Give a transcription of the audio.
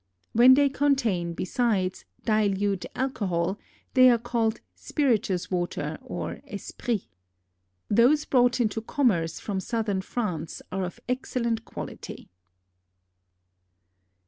When they contain, besides, dilute alcohol they are called spirituous waters or esprits. Those brought into commerce from southern France are of excellent quality.